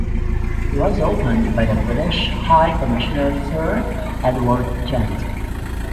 It was opened by the British High Commissioner Sir Edward Gent.